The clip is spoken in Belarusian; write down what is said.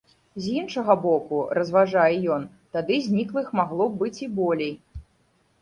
З іншага боку, разважае ён, тады зніклых магло б быць і болей.